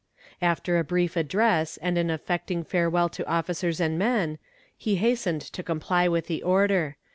After a brief address and an affecting farewell to officers and men, he hastened to comply with the order.